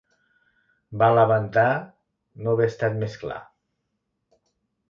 Va lamentar no haver estat més clar.